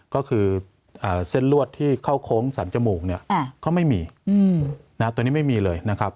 ก็คือเส้นลวดที่เข้าโค้งสรรจมูกเนี่ยเขาไม่มีตัวนี้ไม่มีเลยนะครับ